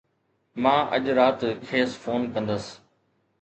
مان اڄ رات کيس فون ڪندس.